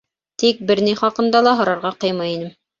Тик бер ни хаҡында ла һорарға ҡыймай инем.